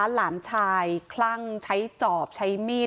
หลานชายคลั่งใช้จอบใช้มีด